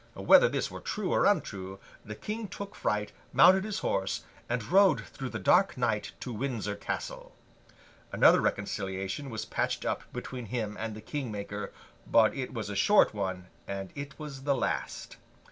Whether this were true or untrue, the King took fright, mounted his horse, and rode through the dark night to Windsor Castle. Another reconciliation was patched up between him and the King Maker, but it was a short one, and it was the last.